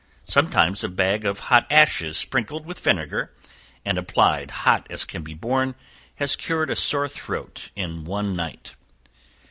Sometimes a bag of hot ashes sprinkled with vinegar, and applied hot as can be borne, has cured a sore throat in one night.